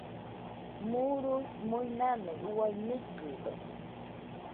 Murui-muinanɨ uai nɨkɨdo.